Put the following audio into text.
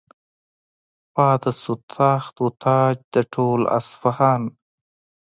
پاتې شو تخت و تاج د ټول اصفهان.